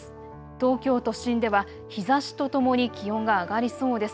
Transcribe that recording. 東京都心では日ざしとともに気温が上がりそうです。